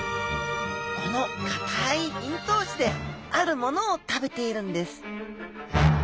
このかたい咽頭歯であるものを食べているんです